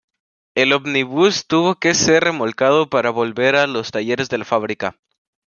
El ómnibus tuvo que ser remolcado para volver a los talleres de la fábrica.